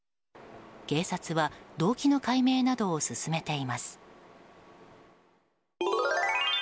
警察は動機の解明などを進めています。